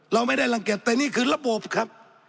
เราไม่ได้รังเกียจแต่นี่คือระบบครับ